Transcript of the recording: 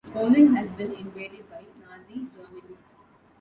Poland has been invaded by Nazi Germany.